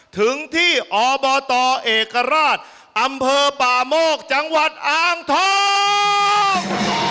ถึงที่อบตเอกราชอำเภอป่าโมกจังหวัดอ้างทอง